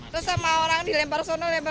terus sama orang dilempar sana lempar